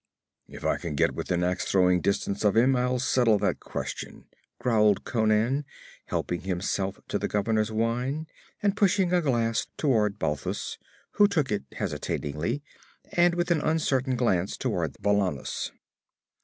'If I can get within ax throwing distance of him I'll settle that question,' growled Conan, helping himself to the governor's wine and pushing a glass toward Balthus, who took it hesitatingly, and with an uncertain glance toward Valannus.